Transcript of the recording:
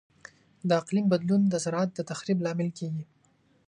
د اقلیم بدلون د زراعت د تخریب لامل کیږي.